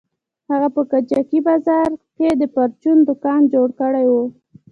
هغه په کجکي بازار کښې د پرچون دوکان جوړ کړى و.